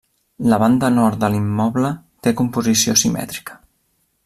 La banda nord de l'immoble té composició simètrica.